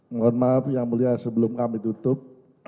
mohon maaf yang mulia sebelum kami tutup